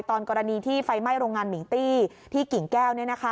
กรณีที่ไฟไหม้โรงงานมิงตี้ที่กิ่งแก้ว